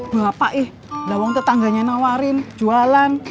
belapa ih lawang tetangganya nawarin jualan